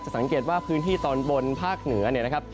สังเกตว่าพื้นที่ตอนบนภาคเหนือเนี่ยนะครับ